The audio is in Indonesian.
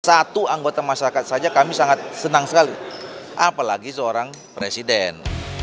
satu anggota masyarakat saja kami sangat senang sekali apalagi seorang presiden